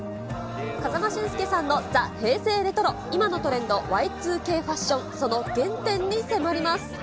風間俊介さんのＴＨＥ平成レトロ、今のトレンド、Ｙ２Ｋファッション、その原点に迫ります。